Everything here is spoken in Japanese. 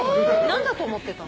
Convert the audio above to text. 何だと思ってたの？